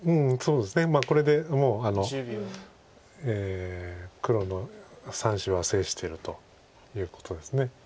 これで黒の３子は制してるということです。